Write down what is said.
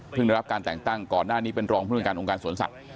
ได้รับการแต่งตั้งก่อนหน้านี้เป็นรองผู้บริการองค์การสวนสัตว